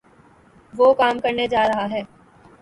وہ کام کرنےجارہےہیں